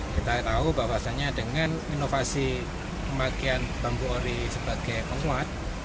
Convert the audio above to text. kita tahu bahwasannya dengan inovasi pemakaian bambu ori sebagai penguat